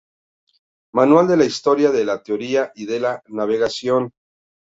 Manual de la historia de la teoría y de la investigación.